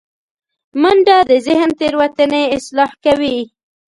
منډه د ذهن تیروتنې اصلاح کوي